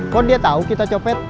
kok dia tau kita copet